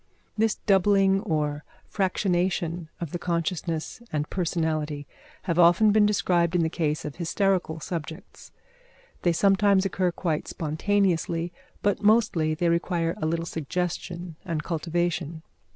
This doubling or fractionation of the consciousness and personality have often been described in the case of hysterical subjects. They sometimes occur quite spontaneously, but mostly they require a little suggestion and cultivation.